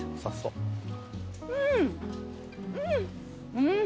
うん。